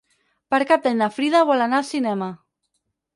Per Cap d'Any na Frida vol anar al cinema.